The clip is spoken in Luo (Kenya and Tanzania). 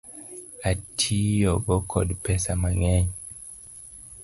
Atiyo kod pesa mang'eny .